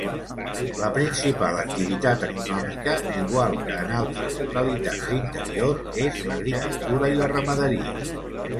La principal activitat econòmica, igual que en altres localitats d'interior, és l'agricultura i la ramaderia.